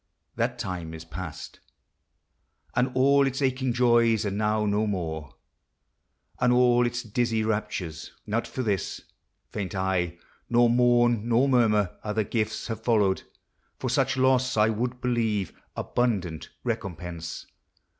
— That time is past, And all its aching joys are now no more, And all its dizzy raptures. Not for this Faint I, nor mourn nor murmur; other gifts Have followed; for such loss, I would believe, Abundant recompense.